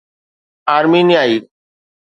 آرمينيائي